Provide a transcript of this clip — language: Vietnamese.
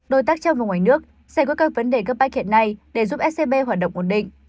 đối tác trong và ngoài nước giải quyết các vấn đề gấp bác hiện nay để giúp scb hoạt động ổn định